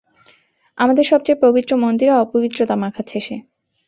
আমাদের সবচেয়ে পবিত্র মন্দিরে অপবিত্রতা মাখাচ্ছে সে।